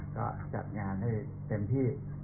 ก็จัดงานให้เต็มที่